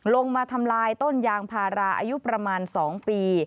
ลงมาทำลายต้นยางพาราอายุประมาณ๒ปี